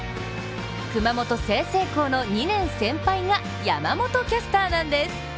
熊本・済々黌の２年先輩が山本キャスターなんです。